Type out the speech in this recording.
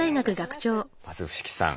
まず伏木さん